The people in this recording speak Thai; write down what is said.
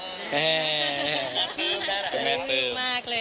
คุณแม่ปลื้ม